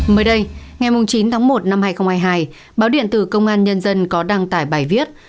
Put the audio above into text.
mới đây ngày chín tháng một năm hai nghìn hai mươi hai báo điện tử công an nhân dân có đăng tải bài viết